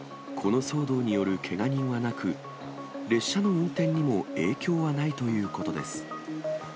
この騒動によるけが人はなく、列車の運転にも影響はないということです。